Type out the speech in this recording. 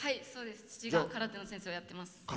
父が空手の先生をやってます。